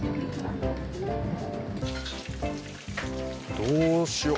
どうしよう。